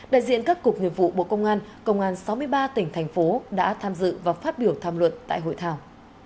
đại diện các cục nghiệp vụ bộ công an công an sáu mươi ba tỉnh thành phố đã tham dự và phát biểu tham luận tại hội thảo